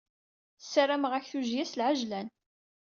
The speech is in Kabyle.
Ssarameɣ-ak tujjya s lɛejlan.